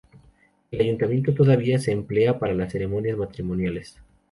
El Ayuntamiento todavía se emplea para las ceremonias matrimoniales.